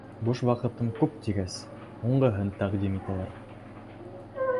Буш ваҡытым күп тигәс, һуңғыһын тәҡдим итәләр.